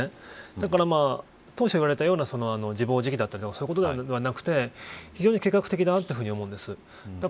だから当初から言われてたような自暴自棄だったりすることではなくて非常に計画的だと思うんです。